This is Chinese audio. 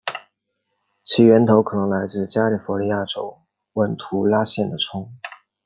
其源头可能来自加利福尼亚州文图拉县的葱。